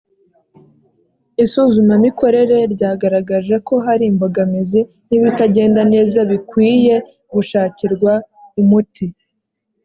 isuzumamikorere ryagaragaje ko hari imbogamizi n ibitagenda neza bikwiye gushakirwa umuti